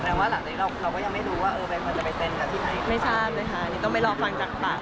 เอออะไรก็ไปที่ใหม่